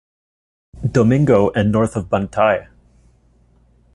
Domingo and north of Bantay.